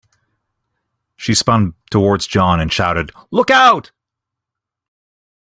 She spun towards John and shouted, "Look Out!"